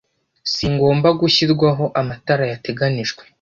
singomba gushyirwaho amatara yateganijwe